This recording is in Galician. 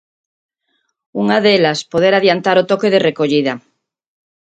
Unha delas, poder adiantar o toque de recollida.